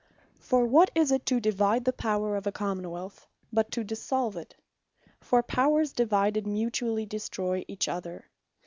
For what is it to divide the Power of a Common wealth, but to Dissolve it; for Powers divided mutually destroy each other.